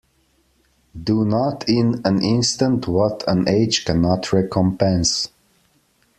Do not in an instant what an age cannot recompense.